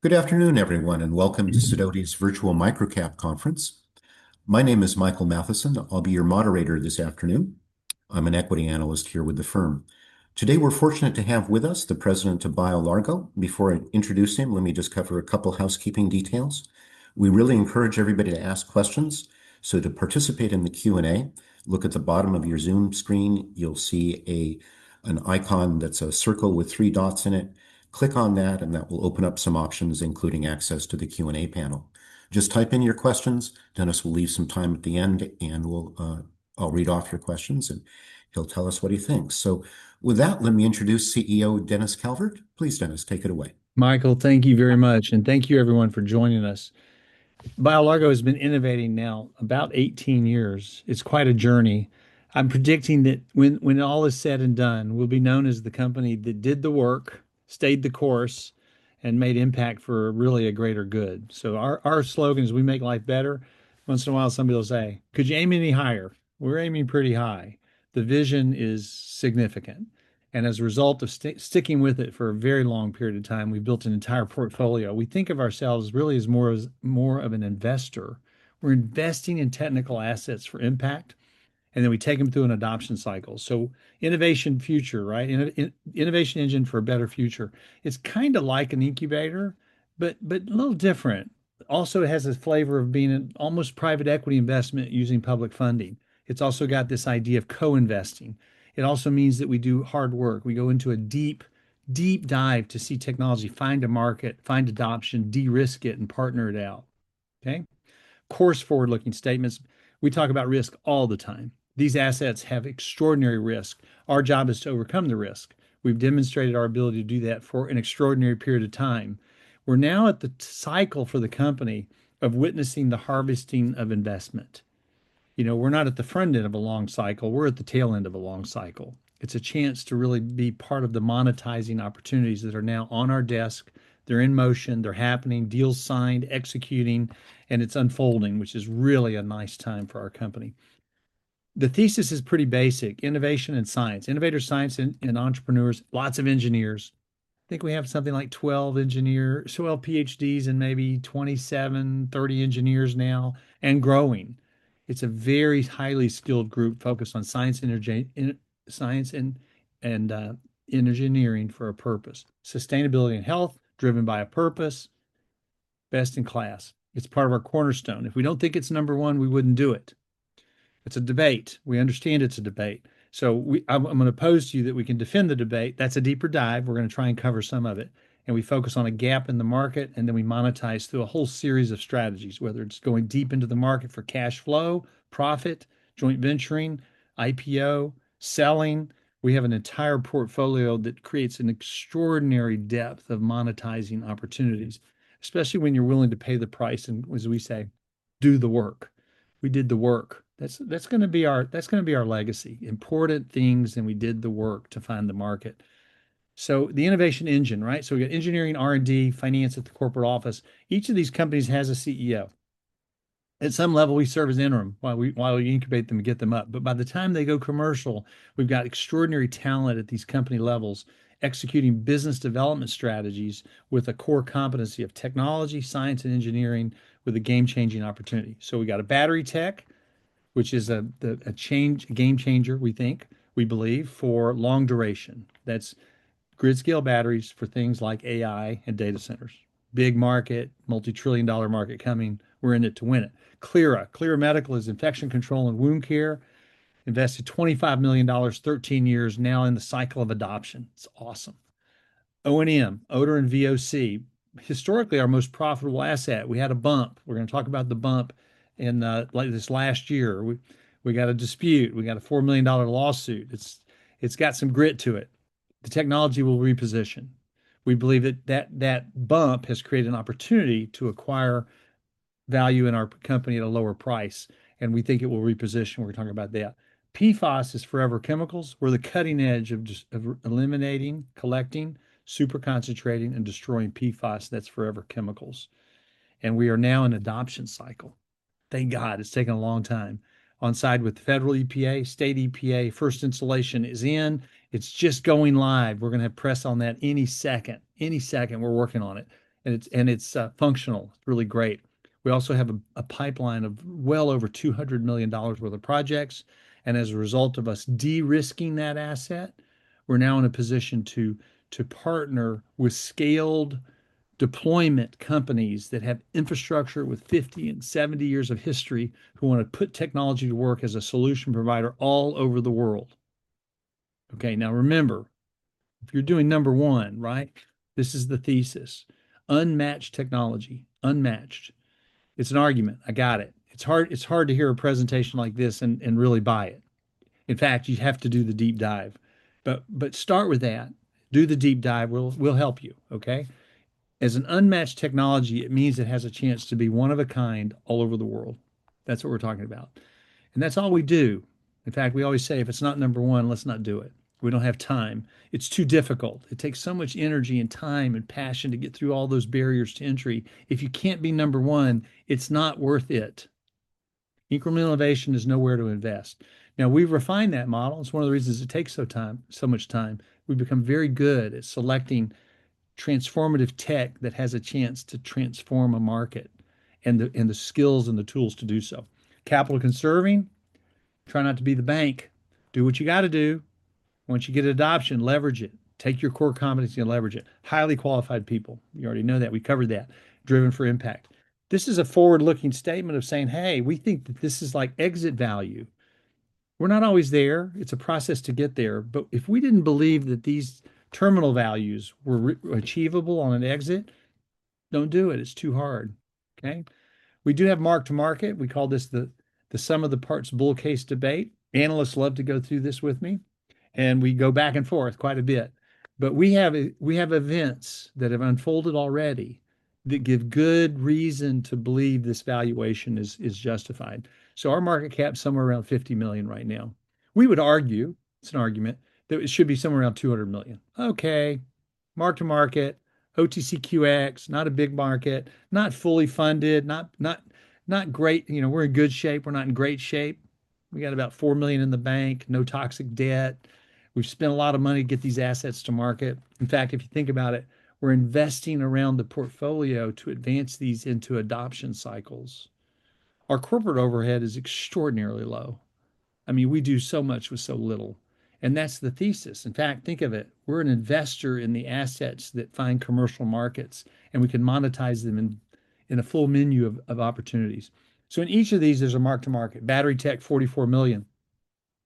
Good afternoon, everyone, and welcome to Sidoti's virtual Microcap Conference. My name is Michael Matheson. I'll be your moderator this afternoon. I'm an equity analyst here with the firm. Today, we're fortunate to have with us the president of BioLargo. Before I introduce him, let me just cover a couple of housekeeping details. We really encourage everybody to ask questions. So, to participate in the Q&A, look at the bottom of your Zoom screen. You'll see an icon that's a circle with three dots in it. Click on that, and that will open up some options, including access to the Q&A panel. Just type in your questions. Dennis will leave some time at the end, and I'll read off your questions, and he'll tell us what he thinks. So, with that, let me introduce CEO Dennis Calvert. Please, Dennis, take it away. Michael, thank you very much, and thank you, everyone, for joining us. BioLargo has been innovating now about 18 years. It's quite a journey. I'm predicting that when all is said and done, we'll be known as the company that did the work, stayed the course, and made impact for really a greater good. So, our slogan is, "We make life better." Once in a while, somebody will say, "Could you aim any higher?" We're aiming pretty high. The vision is significant. And as a result of sticking with it for a very long period of time, we've built an entire portfolio. We think of ourselves really as more of an investor. We're investing in technical assets for impact, and then we take them through an adoption cycle. So, innovation future, right? Innovation engine for a better future. It's kind of like an incubator, but a little different. Also, it has a flavor of being an almost private equity investment using public funding. It's also got this idea of co-investing. It also means that we do hard work. We go into a deep, deep dive to see technology, find a market, find adoption, de-risk it, and partner it out. Okay? Of course, forward-looking statements. We talk about risk all the time. These assets have extraordinary risk. Our job is to overcome the risk. We've demonstrated our ability to do that for an extraordinary period of time. We're now at the cycle for the company of witnessing the harvesting of investment. You know, we're not at the front end of a long cycle. We're at the tail end of a long cycle. It's a chance to really be part of the monetizing opportunities that are now on our desk. They're in motion. They're happening. Deals signed, executing, and it's unfolding, which is really a nice time for our company. The thesis is pretty basic: innovation and science. Innovators, science, and entrepreneurs, lots of engineers. I think we have something like 12 engineers, 12 PhDs, and maybe 27-30 engineers now, and growing. It's a very highly skilled group focused on science and engineering for a purpose. Sustainability and health, driven by a purpose, best in class. It's part of our cornerstone. If we don't think it's number one, we wouldn't do it. It's a debate. We understand it's a debate. So, I'm going to pose to you that we can defend the debate. That's a deeper dive. We're going to try and cover some of it. And we focus on a gap in the market, and then we monetize through a whole series of strategies, whether it's going deep into the market for cash flow, profit, joint venturing, IPO, selling. We have an entire portfolio that creates an extraordinary depth of monetizing opportunities, especially when you're willing to pay the price and, as we say, do the work. We did the work. That's going to be our legacy: important things, and we did the work to find the market. So, the innovation engine, right? So, we've got engineering, R&D, finance at the corporate office. Each of these companies has a CEO. At some level, we serve as interim while we incubate them and get them up. But by the time they go commercial, we've got extraordinary talent at these company levels executing business development strategies with a core competency of technology, science, and engineering with a game-changing opportunity. So, we've got a battery tech, which is a game changer, we think, we believe, for long duration. That's grid-scale batteries for things like AI and data centers. Big market, multi-trillion-dollar market coming. We're in it to win it. Clyra. Clyra Medical is infection control and wound care. Invested $25 million, 13 years, now in the cycle of adoption. It's awesome. ONM, odor and VOC, historically our most profitable asset. We had a bump. We're going to talk about the bump in this last year. We got a dispute. We got a $4 million lawsuit. It's got some grit to it. The technology will reposition. We believe that that bump has created an opportunity to acquire value in our company at a lower price, and we think it will reposition. We're talking about that. PFAS is forever chemicals. We're the cutting edge of eliminating, collecting, super concentrating, and destroying PFAS that's forever chemicals, and we are now in adoption cycle. Thank God. It's taken a long time. On side with the federal EPA, state EPA, first installation is in. It's just going live. We're going to press on that any second. Any second we're working on it, and it's functional. It's really great. We also have a pipeline of well over $200 million worth of projects. As a result of us de-risking that asset, we're now in a position to partner with scaled deployment companies that have infrastructure with 50 and 70 years of history who want to put technology to work as a solution provider all over the world. Okay. Now, remember, if you're doing number one, right? This is the thesis. Unmatched technology. Unmatched. It's an argument. I got it. It's hard to hear a presentation like this and really buy it. In fact, you have to do the deep dive. Start with that. Do the deep dive. We'll help you. Okay? As an unmatched technology, it means it has a chance to be one of a kind all over the world. That's what we're talking about. That's all we do. In fact, we always say, "If it's not number one, let's not do it." We don't have time. It's too difficult. It takes so much energy and time and passion to get through all those barriers to entry. If you can't be number one, it's not worth it. Incremental innovation is nowhere to invest. Now, we've refined that model. It's one of the reasons it takes so much time. We've become very good at selecting transformative tech that has a chance to transform a market and the skills and the tools to do so. Capital conserving. Try not to be the bank. Do what you got to do. Once you get adoption, leverage it. Take your core competency and leverage it. Highly qualified people. You already know that. We covered that. Driven for impact. This is a forward-looking statement of saying, "Hey, we think that this is like exit value." We're not always there. It's a process to get there. But if we didn't believe that these terminal values were achievable on an exit, don't do it. It's too hard. Okay? We do have mark-to-market. We call this the sum of the parts bull case debate. Analysts love to go through this with me. And we go back and forth quite a bit. But we have events that have unfolded already that give good reason to believe this valuation is justified. So, our market cap is somewhere around $50 million right now. We would argue, it's an argument, that it should be somewhere around $200 million. Okay. Mark-to-market, OTCQX, not a big market, not fully funded, not great. You know, we're in good shape. We're not in great shape. We got about $4 million in the bank, no toxic debt. We've spent a lot of money to get these assets to market. In fact, if you think about it, we're investing around the portfolio to advance these into adoption cycles. Our corporate overhead is extraordinarily low. I mean, we do so much with so little. And that's the thesis. In fact, think of it. We're an investor in the assets that find commercial markets, and we can monetize them in a full menu of opportunities. So, in each of these, there's a mark-to-market. Battery tech, $44 million.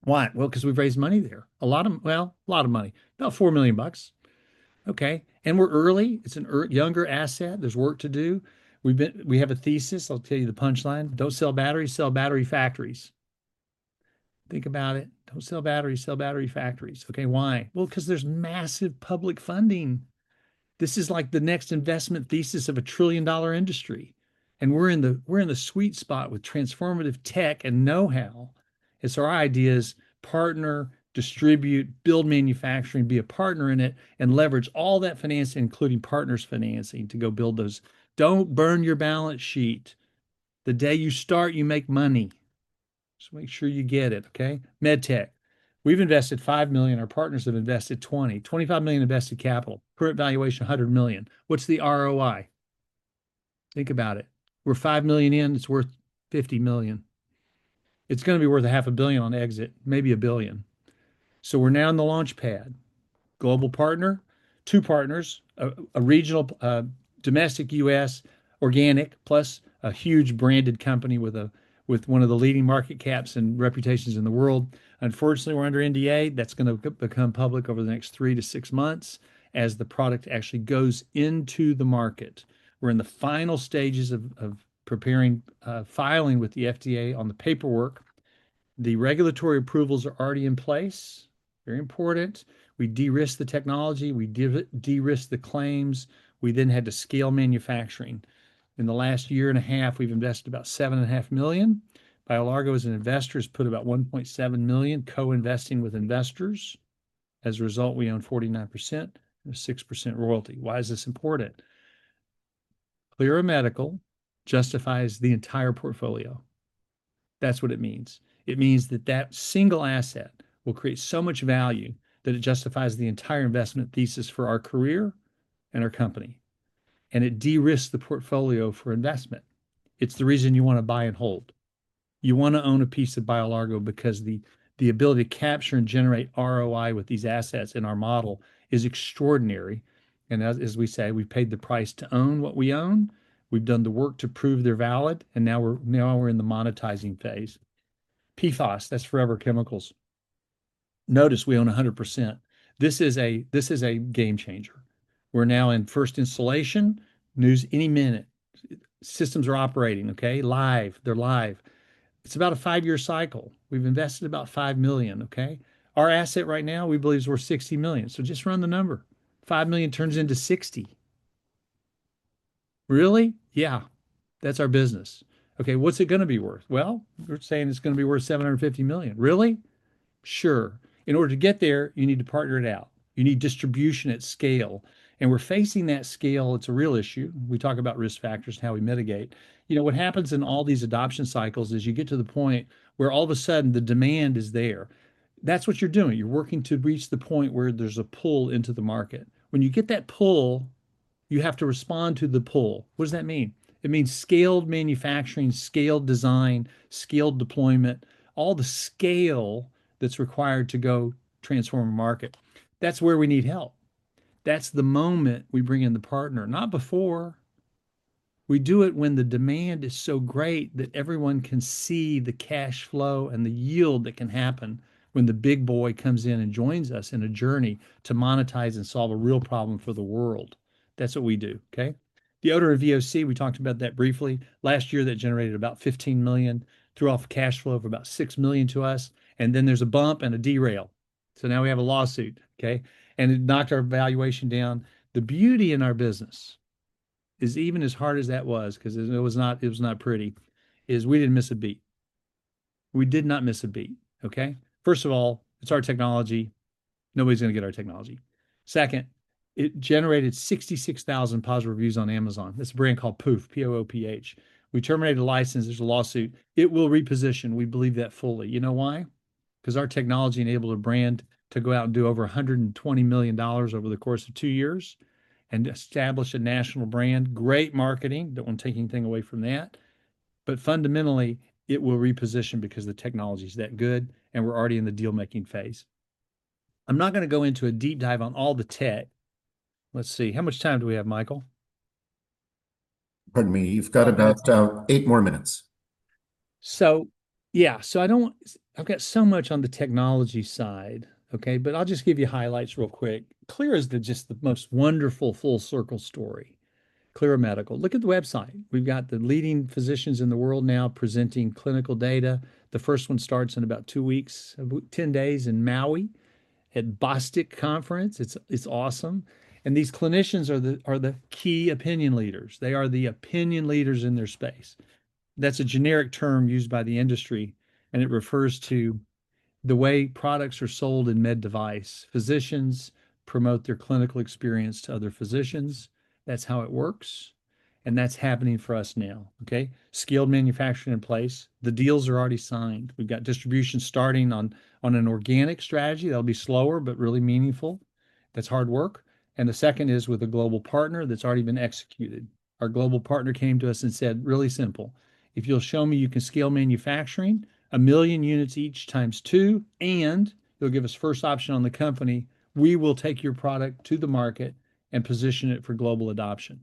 Why? Well, because we've raised money there. A lot of, well, a lot of money. About $4 million. Okay. And we're early. It's a younger asset. There's work to do. We have a thesis. I'll tell you the punchline. Don't sell batteries. Sell battery factories. Think about it. Don't sell batteries. Sell battery factories. Okay. Why? Well, because there's massive public funding. This is like the next investment thesis of a $1 trillion-dollar industry. We're in the sweet spot with transformative tech and know-how. It's our ideas, partner, distribute, build manufacturing, be a partner in it, and leverage all that financing, including partners' financing, to go build those. Don't burn your balance sheet. The day you start, you make money. So, make sure you get it. Okay? Medtech. We've invested $5 million. Our partners have invested $20 million. $25 million invested capital. Current valuation, $100 million. What's the ROI? Think about it. We're $5 million in. It's worth $50 million. It's going to be worth $500 million on exit. Maybe $1 billion. So, we're now in the launch pad. Global partner. Two partners. A regional, domestic U.S. organic, plus a huge branded company with one of the leading market caps and reputations in the world. Unfortunately, we're under NDA. That's going to become public over the next three to six months as the product actually goes into the market. We're in the final stages of filing with the FDA on the paperwork. The regulatory approvals are already in place. Very important. We de-risk the technology. We de-risk the claims. We then had to scale manufacturing. In the last year and a half, we've invested about $7.5 million. BioLargo, as an investor, has put about $1.7 million, co-investing with investors. As a result, we own 49% and a 6% royalty. Why is this important? Clyra Medical justifies the entire portfolio. That's what it means. It means that that single asset will create so much value that it justifies the entire investment thesis for our career and our company. And it de-risked the portfolio for investment. It's the reason you want to buy and hold. You want to own a piece of BioLargo because the ability to capture and generate ROI with these assets in our model is extraordinary. And as we say, we've paid the price to own what we own. We've done the work to prove they're valid. And now we're in the monetizing phase. PFAS, that's forever chemicals. Notice we own 100%. This is a game changer. We're now in first installation. News any minute. Systems are operating. Okay? Live. They're live. It's about a five-year cycle. We've invested about $5 million. Okay? Our asset right now, we believe is worth $60 million. So, just run the number. $5 million turns into $60 million. Really? Yeah. That's our business. Okay. What's it going to be worth? Well, we're saying it's going to be worth $750 million. Really? Sure. In order to get there, you need to partner it out. You need distribution at scale. And we're facing that scale. It's a real issue. We talk about risk factors and how we mitigate. You know, what happens in all these adoption cycles is you get to the point where all of a sudden the demand is there. That's what you're doing. You're working to reach the point where there's a pull into the market. When you get that pull, you have to respond to the pull. What does that mean? It means scaled manufacturing, scaled design, scaled deployment, all the scale that's required to go transform a market. That's where we need help. That's the moment we bring in the partner. Not before. We do it when the demand is so great that everyone can see the cash flow and the yield that can happen when the big boy comes in and joins us in a journey to monetize and solve a real problem for the world. That's what we do. Okay? The odor and VOC, we talked about that briefly. Last year, that generated about $15 million, threw off a cash flow of about $6 million to us. And then there's a bump and a derail. So, now we have a lawsuit. Okay? And it knocked our valuation down. The beauty in our business is even as hard as that was, because it was not pretty, is we didn't miss a beat. We did not miss a beat. Okay? First of all, it's our technology. Nobody's going to get our technology. Second, it generated 66,000 positive reviews on Amazon. That's a brand called Pooph, P-O-O-P-H. We terminated a license. There's a lawsuit. It will reposition. We believe that fully. You know why? Because our technology enabled a brand to go out and do over $120 million over the course of two years and establish a national brand. Great marketing. Don't want to take anything away from that. But fundamentally, it will reposition because the technology is that good, and we're already in the deal-making phase. I'm not going to go into a deep dive on all the tech. Let's see. How much time do we have, Michael? PPardon me. You've got about eight more minutes. So, yeah. So, I don't want. I've got so much on the technology side. Okay? But I'll just give you highlights real quick. Clyra is just the most wonderful full circle story. Clyra Medical. Look at the website. We've got the leading physicians in the world now presenting clinical data. The first one starts in about two weeks, 10 days in Maui at Boswick Conference. It's awesome, and these clinicians are the key opinion leaders. They are the opinion leaders in their space. That's a generic term used by the industry, and it refers to the way products are sold in med device. Physicians promote their clinical experience to other physicians. That's how it works, and that's happening for us now. Okay? Scaled manufacturing in place. The deals are already signed. We've got distribution starting on an organic strategy. That'll be slower, but really meaningful. That's hard work, and the second is with a global partner that's already been executed. Our global partner came to us and said, "Really simple. If you'll show me you can scale manufacturing, a million units each times two, and you'll give us first option on the company, we will take your product to the market and position it for global adoption."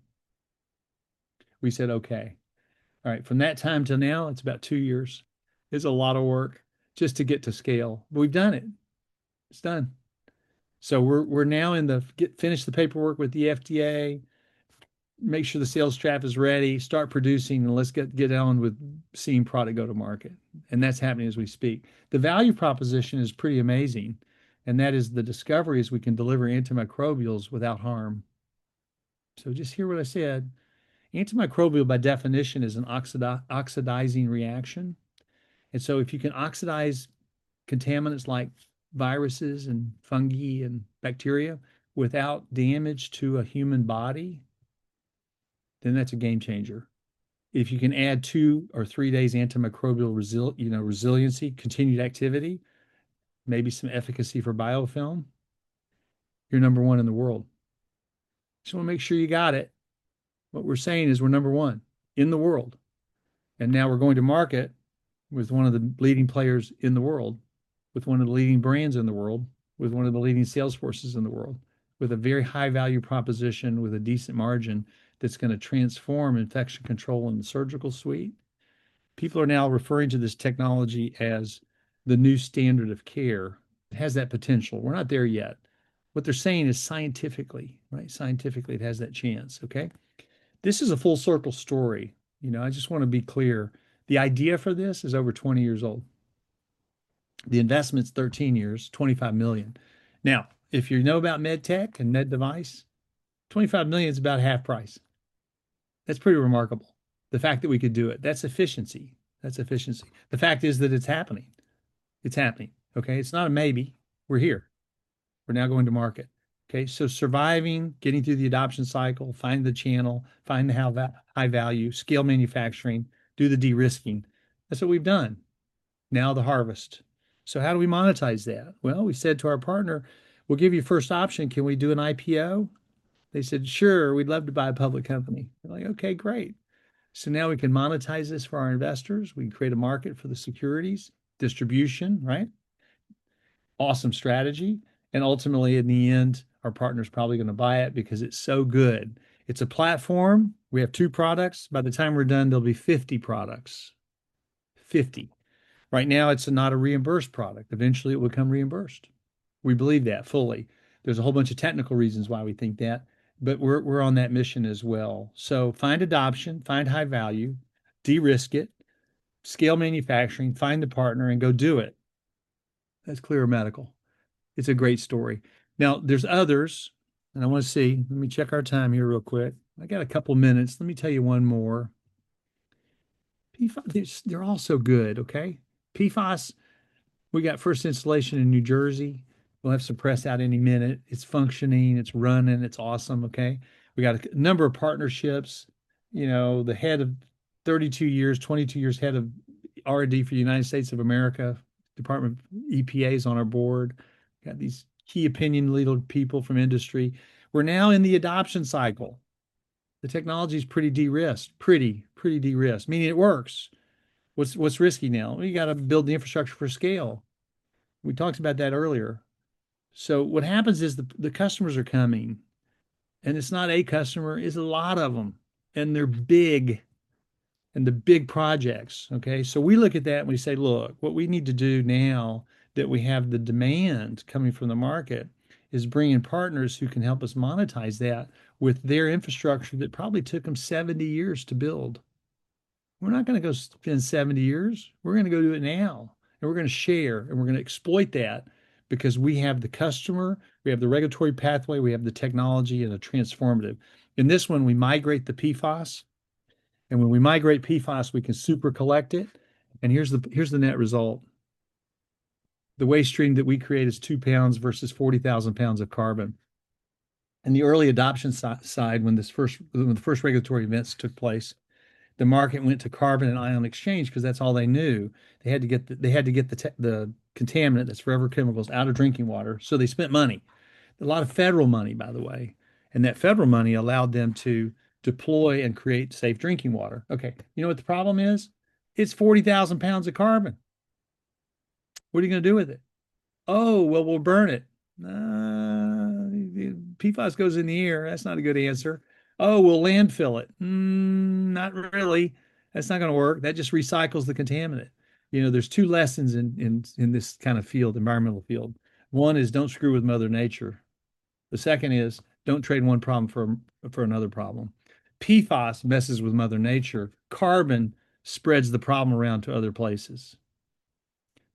We said, "Okay." All right. From that time to now, it's about two years. It's a lot of work just to get to scale, but we've done it. It's done, so we're now finishing the paperwork with the FDA, make sure the sales team is ready, start producing, and let's get on with seeing product go to market, and that's happening as we speak. The value proposition is pretty amazing, and that is the discovery is we can deliver antimicrobials without harm. So, just hear what I said. Antimicrobial by definition is an oxidizing reaction. And so, if you can oxidize contaminants like viruses and fungi and bacteria without damage to a human body, then that's a game changer. If you can add two or three days antimicrobial resiliency, continued activity, maybe some efficacy for biofilm, you're number one in the world. So, we'll make sure you got it. What we're saying is we're number one in the world. And now we're going to market with one of the leading players in the world, with one of the leading brands in the world, with one of the leading sales forces in the world, with a very high value proposition, with a decent margin that's going to transform infection control in the surgical suite. People are now referring to this technology as the new standard of care. It has that potential. We're not there yet. What they're saying is scientifically, right? Scientifically, it has that chance. Okay? This is a full circle story. You know, I just want to be clear. The idea for this is over 20 years old. The investment's 13 years, $25 million. Now, if you know about med tech and med device, $25 million is about half price. That's pretty remarkable. The fact that we could do it, that's efficiency. That's efficiency. The fact is that it's happening. It's happening. Okay? It's not a maybe. We're here. We're now going to market. Okay? So, surviving, getting through the adoption cycle, finding the channel, finding the high value, scale manufacturing, do the de-risking. That's what we've done. Now the harvest. So, how do we monetize that? Well, we said to our partner, "We'll give you first option. Can we do an IPO?" They said, "Sure. We'd love to buy a public company." We're like, "Okay, great." So, now we can monetize this for our investors. We can create a market for the securities, distribution, right? Awesome strategy. And ultimately, in the end, our partner's probably going to buy it because it's so good. It's a platform. We have two products. By the time we're done, there'll be 50 products. 50. Right now, it's not a reimbursed product. Eventually, it will come reimbursed. We believe that fully. There's a whole bunch of technical reasons why we think that. But we're on that mission as well. So, find adoption, find high value, de-risk it, scale manufacturing, find the partner, and go do it. That's Clyra Medical. It's a great story. Now, there's others. And I want to see. Let me check our time here real quick. I got a couple of minutes. Let me tell you one more. They're all so good. Okay? PFAS, we got first installation in New Jersey. We'll have some press out any minute. It's functioning. It's running. It's awesome. Okay? We got a number of partnerships. You know, the head of 32 years, 22 years head of R&D for the United States of America, Department of EPA's on our board. Got these key opinion leaders people from industry. We're now in the adoption cycle. The technology is pretty de-risked. Pretty, pretty de-risked. Meaning it works. What's risky now? We got to build the infrastructure for scale. We talked about that earlier. So, what happens is the customers are coming. And it's not a customer. It's a lot of them. And they're big. And the big projects. Okay? So, we look at that and we say, "Look, what we need to do now that we have the demand coming from the market is bring in partners who can help us monetize that with their infrastructure that probably took them 70 years to build." We're not going to go spend 70 years. We're going to go do it now. And we're going to share. And we're going to exploit that because we have the customer. We have the regulatory pathway. We have the technology and the transformative. In this one, we migrate the PFAS. And when we migrate PFAS, we can super collect it. And here's the net result. The waste stream that we create is 2 pounds versus 40,000 pounds of carbon. The early adoption side, when the first regulatory events took place, the market went to carbon and ion exchange because that's all they knew. They had to get the contaminant, that's forever chemicals, out of drinking water. So, they spent money. A lot of federal money, by the way. That federal money allowed them to deploy and create safe drinking water. Okay. You know what the problem is? It's 40,000 pounds of carbon. What are you going to do with it? Oh, well, we'll burn it. PFAS goes in the air. That's not a good answer. Oh, we'll landfill it. Not really. That's not going to work. That just recycles the contaminant. You know, there's two lessons in this kind of field, environmental field. One is don't screw with Mother Nature. The second is don't trade one problem for another problem. PFAS messes with Mother Nature. Carbon spreads the problem around to other places.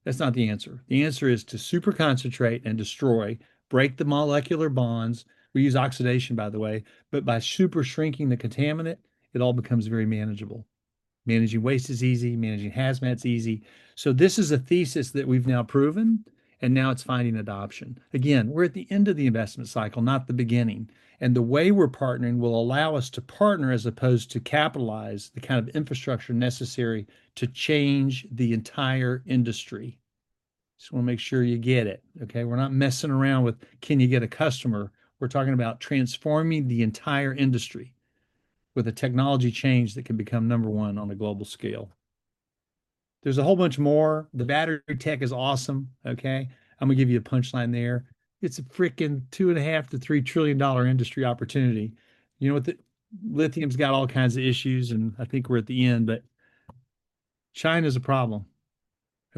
That's not the answer. The answer is to super concentrate and destroy, break the molecular bonds. We use oxidation, by the way. But by super shrinking the contaminant, it all becomes very manageable. Managing waste is easy. Managing hazmat's easy. So, this is a thesis that we've now proven. And now it's finding adoption. Again, we're at the end of the investment cycle, not the beginning. And the way we're partnering will allow us to partner as opposed to capitalize the kind of infrastructure necessary to change the entire industry. So, I want to make sure you get it. Okay? We're not messing around with, can you get a customer? We're talking about transforming the entire industry with a technology change that can become number one on a global scale. There's a whole bunch more. The battery tech is awesome. Okay? I'm going to give you a punchline there. It's a freaking $2.5-$3 trillion industry opportunity. You know, lithium's got all kinds of issues. And I think we're at the end. But China's a problem.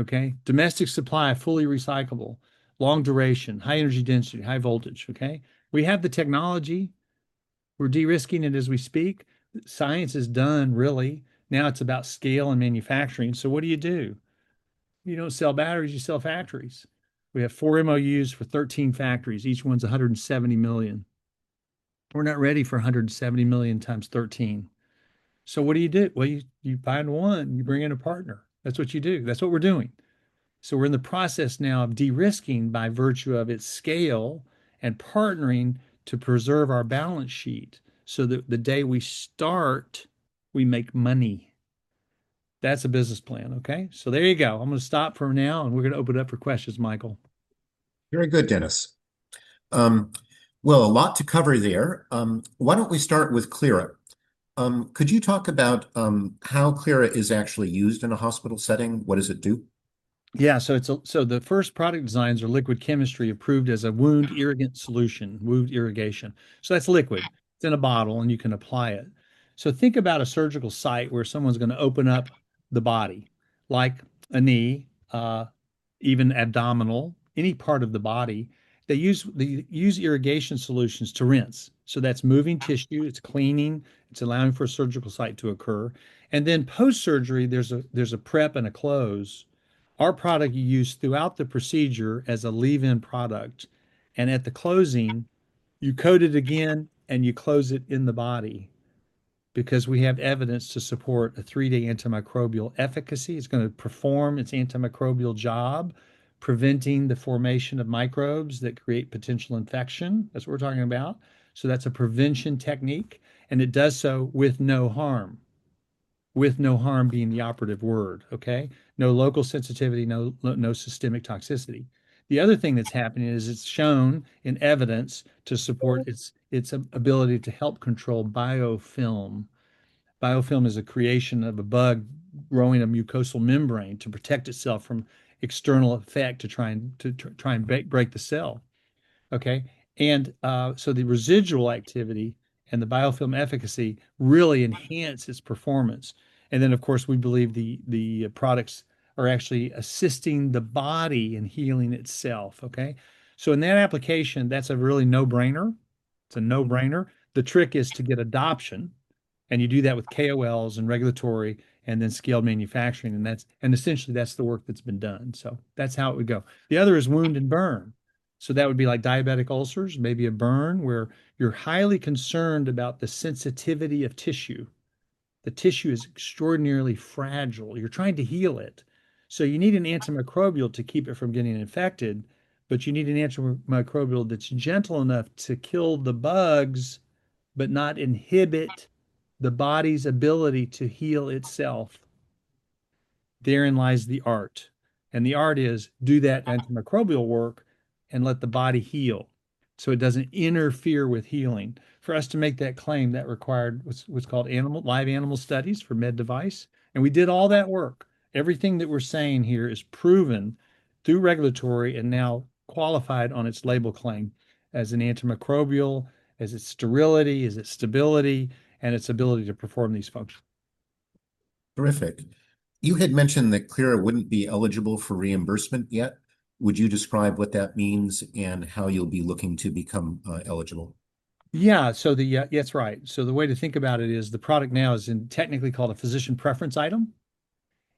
Okay? Domestic supply, fully recyclable, long duration, high energy density, high voltage. Okay? We have the technology. We're de-risking it as we speak. Science is done, really. Now it's about scale and manufacturing. So, what do you do? You don't sell batteries. You sell factories. We have four MOUs for 13 factories. Each one's $170 million. We're not ready for 170 million times 13. So, what do you do? Well, you find one. You bring in a partner. That's what you do. That's what we're doing. So, we're in the process now of de-risking by virtue of its scale and partnering to preserve our balance sheet so that the day we start, we make money. That's a business plan. Okay? So, there you go. I'm going to stop for now. And we're going to open it up for questions, Michael. Very good, Dennis. Well, a lot to cover there. Why don't we start with Clyra? Could you talk about how Clyra is actually used in a hospital setting? What does it do? Yeah. So, the first product designs are liquid chemistry approved as a wound irrigant solution, wound irrigation. So, that's liquid. It's in a bottle, and you can apply it. So, think about a surgical site where someone's going to open up the body, like a knee, even abdominal, any part of the body. They use irrigation solutions to rinse. So, that's moving tissue. It's cleaning. It's allowing for a surgical site to occur. And then post-surgery, there's a prep and a close. Our product you use throughout the procedure as a leave-in product. And at the closing, you coat it again, and you close it in the body because we have evidence to support a three-day antimicrobial efficacy. It's going to perform its antimicrobial job, preventing the formation of microbes that create potential infection. That's what we're talking about. So, that's a prevention technique. And it does so with no harm. With no harm being the operative word. Okay? No local sensitivity, no systemic toxicity. The other thing that's happening is it's shown in evidence to support its ability to help control biofilm. Biofilm is a creation of a bug growing a mucosal membrane to protect itself from external effect to try and break the cell. Okay? And so, the residual activity and the biofilm efficacy really enhance its performance. And then, of course, we believe the products are actually assisting the body in healing itself. Okay? So, in that application, that's a really no-brainer. It's a no-brainer. The trick is to get adoption. And you do that with KOLs and regulatory and then scaled manufacturing. And essentially, that's the work that's been done. So, that's how it would go. The other is wound and burn. So, that would be like diabetic ulcers, maybe a burn where you're highly concerned about the sensitivity of tissue. The tissue is extraordinarily fragile. You're trying to heal it. So, you need an antimicrobial to keep it from getting infected, but you need an antimicrobial that's gentle enough to kill the bugs but not inhibit the body's ability to heal itself. Therein lies the art. And the art is do that antimicrobial work and let the body heal so it doesn't interfere with healing. For us to make that claim, that required what's called live animal studies for med device. And we did all that work. Everything that we're saying here is proven through regulatory and now qualified on its label claim as an antimicrobial, as its sterility, as its stability, and its ability to perform these functions. Terrific. You had mentioned that Clyra wouldn't be eligible for reimbursement yet. Would you describe what that means and how you'll be looking to become eligible? Yeah. So, that's right. So, the way to think about it is the product now is technically called a physician preference item.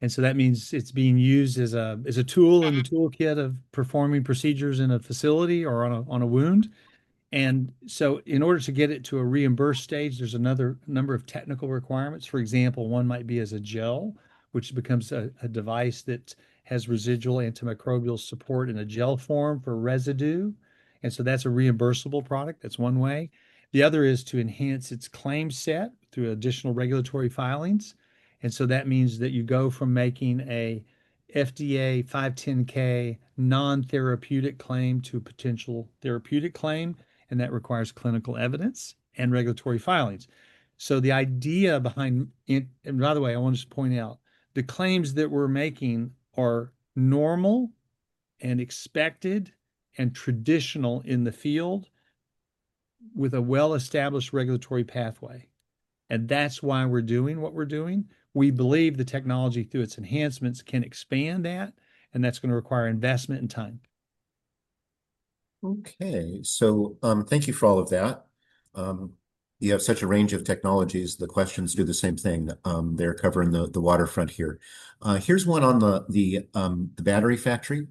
And so, that means it's being used as a tool in the toolkit of performing procedures in a facility or on a wound. And so, in order to get it to a reimbursed stage, there's another number of technical requirements. For example, one might be as a gel, which becomes a device that has residual antimicrobial support in a gel form for residue. And so, that's a reimbursable product. That's one way. The other is to enhance its claim set through additional regulatory filings. And so, that means that you go from making an FDA 510(k) non-therapeutic claim to a potential therapeutic claim. And that requires clinical evidence and regulatory filings. So, the idea behind, and by the way, I want to just point out, the claims that we're making are normal and expected and traditional in the field with a well-established regulatory pathway. And that's why we're doing what we're doing. We believe the technology, through its enhancements, can expand that. And that's going to require investment and time. Okay. So, thank you for all of that. You have such a range of technologies. The questions do the same thing. They're covering the waterfront here. Here's one on the battery factory.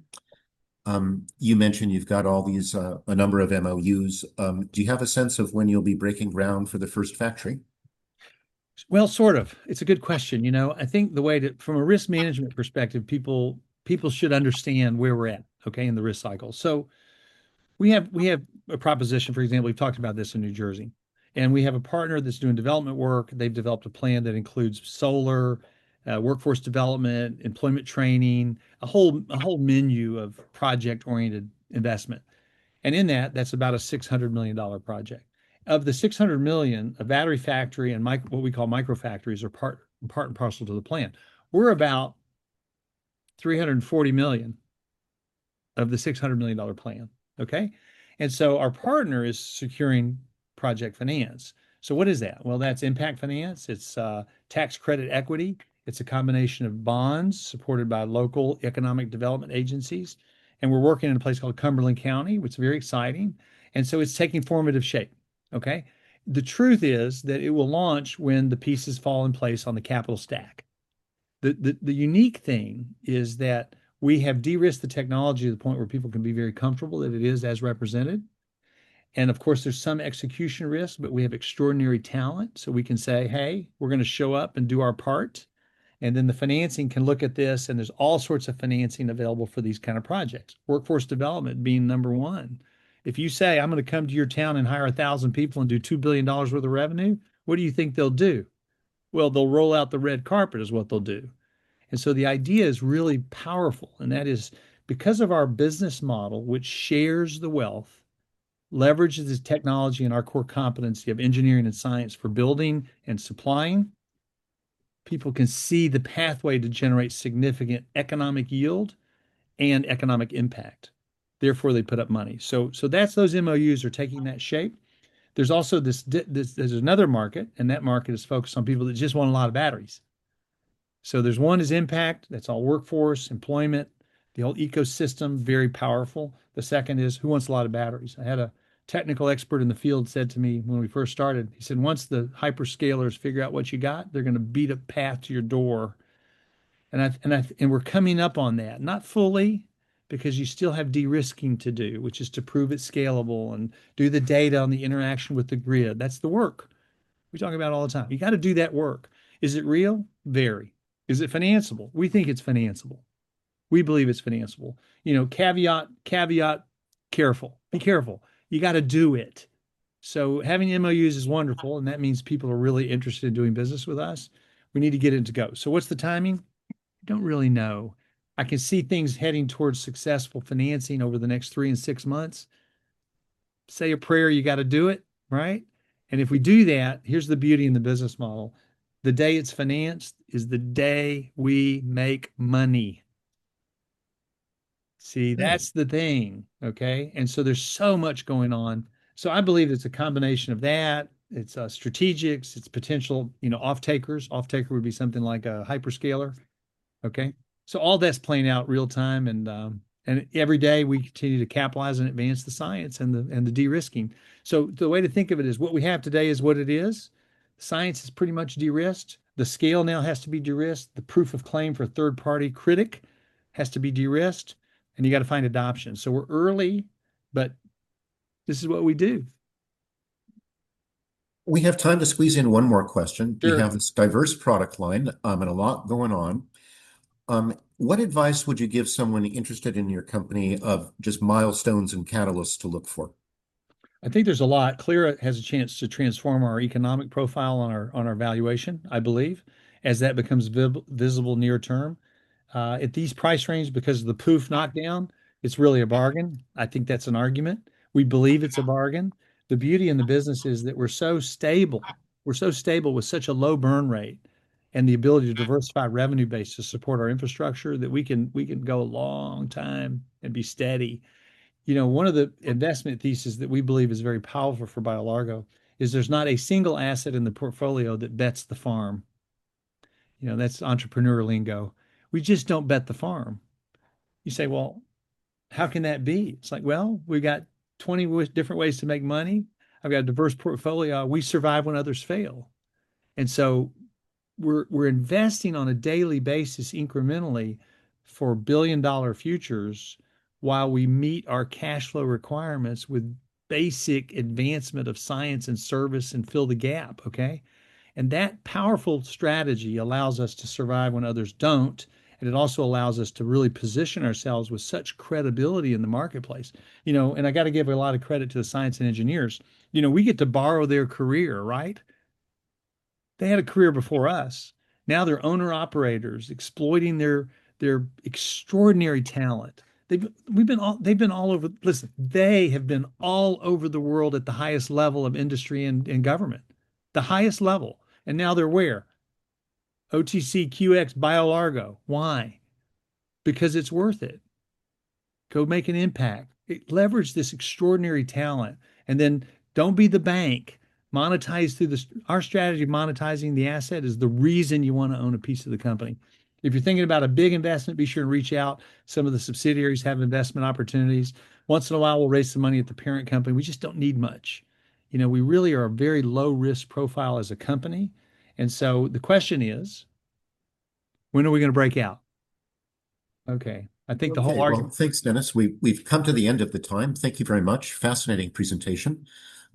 You mentioned you've got all these, a number of MOUs. Do you have a sense of when you'll be breaking ground for the first factory? Well, sort of. It's a good question. You know, I think the way that from a risk management perspective, people should understand where we're at, okay, in the risk cycle. We have a proposition. For example, we've talked about this in New Jersey. We have a partner that's doing development work. They've developed a plan that includes solar, workforce development, employment training, a whole menu of project-oriented investment. In that, that's about a $600 million project. Of the $600 million, a battery factory and what we call microfactories are part and parcel to the plan. We're about $340 million of the $600 million plan. Okay? Our partner is securing project finance. What is that? That's impact finance. It's tax credit equity. It's a combination of bonds supported by local economic development agencies. We're working in a place called Cumberland County, which is very exciting. It's taking formative shape. Okay? The truth is that it will launch when the pieces fall in place on the capital stack. The unique thing is that we have de-risked the technology to the point where people can be very comfortable that it is as represented. And of course, there's some execution risk, but we have extraordinary talent. So, we can say, "Hey, we're going to show up and do our part." And then the financing can look at this. And there's all sorts of financing available for these kinds of projects. Workforce development being number one. If you say, "I'm going to come to your town and hire 1,000 people and do $2 billion worth of revenue," what do you think they'll do? Well, they'll roll out the red carpet is what they'll do. And so, the idea is really powerful. And that is because of our business model, which shares the wealth, leverages the technology and our core competency of engineering and science for building and supplying. People can see the pathway to generate significant economic yield and economic impact. Therefore, they put up money, so that's those MOUs are taking that shape. There's also this. There's another market, and that market is focused on people that just want a lot of batteries, so there's one is impact. That's all workforce, employment, the whole ecosystem, very powerful. The second is who wants a lot of batteries. I had a technical expert in the field said to me when we first started, he said, "Once the hyperscalers figure out what you got, they're going to beat a path to your door," and we're coming up on that, not fully because you still have de-risking to do, which is to prove it's scalable and do the data on the interaction with the grid. That's the work we talk about all the time. You got to do that work. Is it real? Very. Is it financeable? We think it's financeable. We believe it's financeable. You know, caveat, caveat, careful. Be careful. You got to do it. So, having MOUs is wonderful. And that means people are really interested in doing business with us. We need to get it to go. So, what's the timing? I don't really know. I can see things heading towards successful financing over the next three and six months. Say a prayer. You got to do it. Right? And if we do that, here's the beauty in the business model. The day it's financed is the day we make money. See, that's the thing. Okay? And so, there's so much going on. So, I believe it's a combination of that. It's strategics. It's potential, you know, off-takers. Off-taker would be something like a hyperscaler. Okay? So, all that's playing out real time. Every day, we continue to capitalize and advance the science and the de-risking. The way to think of it is what we have today is what it is. Science is pretty much de-risked. The scale now has to be de-risked. The proof of claim for a third-party critic has to be de-risked. You got to find adoption. We're early, but this is what we do. We have time to squeeze in one more question. Sure. You have this diverse product line and a lot going on. What advice would you give someone interested in your company of just milestones and catalysts to look for? I think there's a lot. Clyra has a chance to transform our economic profile on our valuation, I believe, as that becomes visible near term. At these price ranges, because of the Pooph knockdown, it's really a bargain. I think that's an argument. We believe it's a bargain. The beauty in the business is that we're so stable. We're so stable with such a low burn rate and the ability to diversify revenue-based to support our infrastructure that we can go a long time and be steady. You know, one of the investment theses that we believe is very powerful for BioLargo is there's not a single asset in the portfolio that bets the farm. You know, that's entrepreneur lingo. We just don't bet the farm. You say, "Well, how can that be?" It's like, "Well, we've got 20 different ways to make money. I've got a diverse portfolio. We survive when others fail." And so, we're investing on a daily basis, incrementally, for billion-dollar futures while we meet our cash flow requirements with basic advancement of science and service and fill the gap. Okay? And that powerful strategy allows us to survive when others don't. And it also allows us to really position ourselves with such credibility in the marketplace. You know, and I got to give a lot of credit to the science and engineers. You know, we get to borrow their career. Right? They had a career before us. Now they're owner-operators exploiting their extraordinary talent. They've been all over. Listen, they have been all over the world at the highest level of industry and government. The highest level. And now they're where? OTCQX, BioLargo. Why? Because it's worth it. Go make an impact. Leverage this extraordinary talent. And then don't be the bank. Monetize through our strategy of monetizing the asset is the reason you want to own a piece of the company. If you're thinking about a big investment, be sure to reach out. Some of the subsidiaries have investment opportunities. Once in a while, we'll raise some money at the parent company. We just don't need much. You know, we really are a very low-risk profile as a company. And so, the question is, when are we going to break out? Okay. I think the whole argument. Thanks, Dennis. We've come to the end of the time. Thank you very much. Fascinating presentation.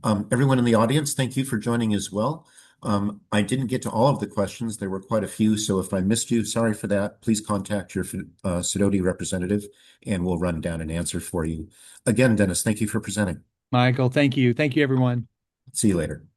Everyone in the audience, thank you for joining as well. I didn't get to all of the questions. There were quite a few. So, if I missed you, sorry for that. Please contact your Sidoti representative, and we'll run down an answer for you. Again, Dennis, thank you for presenting. Michael, thank you. Thank you, everyone. See you later. Bye.